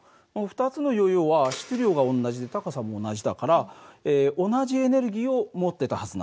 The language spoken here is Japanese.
２つのヨーヨーは質量が同じで高さも同じだから同じエネルギーを持ってたはずなんだよね。